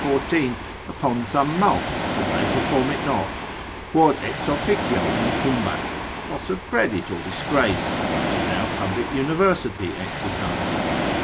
14, upon some mulct, if they perform it not, quod ex officio incumbat, loss of credit or disgrace, such as our public University exercises.